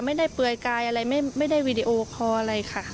ไม่ได้เปลือกายอะไรไม่ได้วิดีโอขออะไรค่ะ